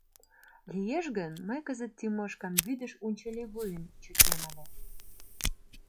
Лиеш гын, мый кызыт Тимошкам вӱдыш унчыли вуйын чыкем ыле.